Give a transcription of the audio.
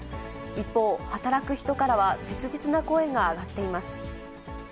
一方、働く人からは切実な声が上がっています。